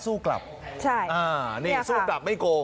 สู้กลับใช่อานี่ค่ะเศรษฐ์สู้กลับไม่โกง